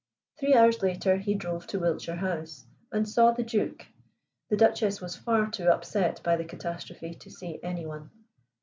Three hours later he drove to Wiltshire House and saw the Duke. The Duchess was far too much upset by the catastrophe to see any one.